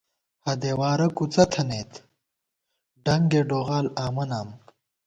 ہدېوارہ کُڅہ تھنَئیت ، ڈنگے ڈوغال آمہ نام